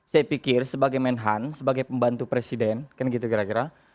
saya pikir sebagai menhan sebagai pembantu presiden kan gitu kira kira